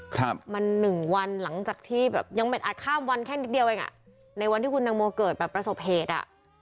ครับมัน๑วันหลังจากที่แบบยังอัดข้ามวันแค่นิดเดียวเองในวันที่คุณนางมัวเกิดแบบประสบเพชร